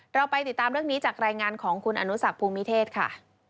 เราไปติดตามเรื่องนี้จากรายงานของคุณอนุสักภูมิเทศค่ะ